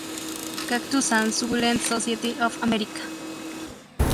Cactus and Succulent Society of America